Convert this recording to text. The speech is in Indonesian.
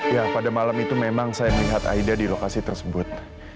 ya pada malam itu memang saya melihat aida di lokasi tersebut